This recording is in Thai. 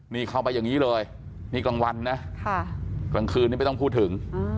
นี่เข้าไปอย่างนี้เลยนี่กลางวันนะกลางคืนนี้ไม่ต้องพูดถึง